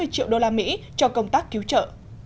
đã giành hơn bốn mươi triệu đô la mỹ cho công tác cứu trợ